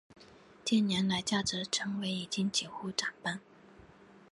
近年来价值成长已经几乎折半。